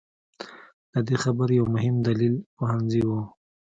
د دې خبرې یو مهم دلیل پوهنځي وو.